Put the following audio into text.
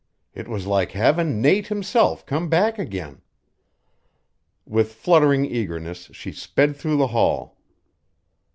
It was like havin' Nate himself come back again." With fluttering eagerness she sped through the hall.